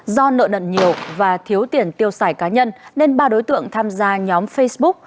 do nợ nận nhiều và thiếu tiền tiêu xài cá nhân nên ba đối tượng tham gia nhóm facebook